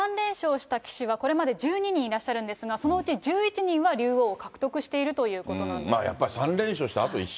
で、やっぱり３連勝というこ竜王戦で初戦から３連勝した棋士は、これまで１２人いらっしゃるんですが、そのうち１１人は竜王獲得しているということなんです。